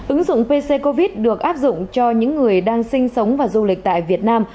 ứng dụng pc covid được áp dụng cho những người đang sinh sống và du lịch tại việt nam